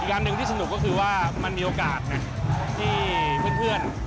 อันหนึ่งที่สนุกก็คือว่ามันมีโอกาสนะที่เพื่อน